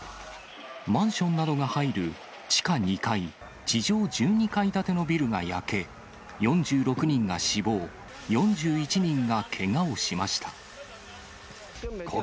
マンションなどが入る地下２階、地上１２階建てのビルが焼け、４６人が死亡、４１人がけがをしました。